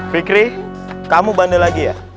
fikri kamu bandai lagi ya